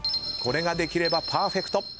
これができればパーフェクト。